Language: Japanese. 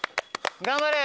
頑張れ！